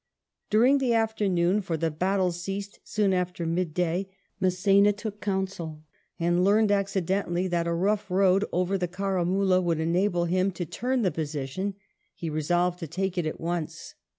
During the afternoon, for the battle ceased soon after midday, Mass^na took council, and learning accidentally that a rough road over the Caramula would enable him to turn the position, he resolved to take it at once.